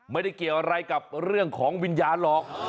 ไม่ได้เกี่ยวอะไรกับเรื่องของวิญญาณหรอก